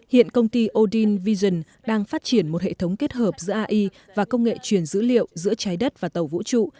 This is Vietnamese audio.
hiện công ty odin vision đang phát triển một hệ thống kết hợp giữa ai và công nghệ truyền dữ liệu giữa trái đất và tàu vũ trụ